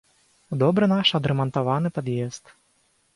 У добры наш адрамантаваны пад'езд.